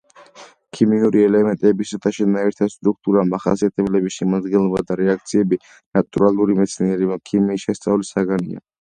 ქიმიური ელემენტებისა და შენაერთთა სტრუქტურა, მახასიათებლები, შემადგენლობა და რეაქციები ნატურალური მეცნიერება ქიმიის შესწავლის საგანია.